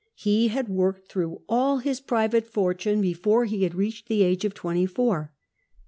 He had worked through all his private fortune before he had reached the age of twenty four.